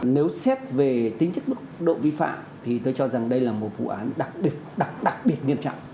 nếu xét về tính chất mức độ vi phạm thì tôi cho rằng đây là một vụ án đặc biệt đặc biệt nghiêm trọng